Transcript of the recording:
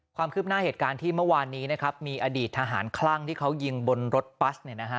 ความคืบหน้าเหตุการณ์ที่เมื่อวานนี้นะครับมีอดีตทหารคลั่งที่เขายิงบนรถบัสเนี่ยนะฮะ